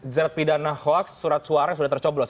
jerat pidana hoax surat suara sudah tercoblos